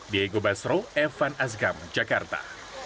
diego basro evan azkam jakarta